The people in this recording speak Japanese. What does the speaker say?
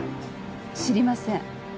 知りません。